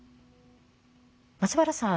松原さん